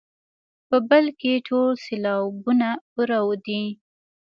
په بل کې ټول سېلابونه پوره دي.